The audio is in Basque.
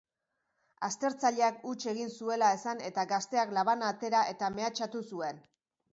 Aztertzaileak huts egin zuela esan eta gazteak labana atera eta mehatxatu zuen.